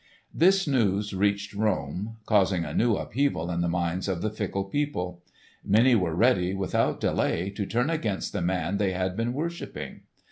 This news, reaching Rome, caused a new upheaval in the minds of the fickle people. Many were ready, without delay, to turn against the man they had been worshipping.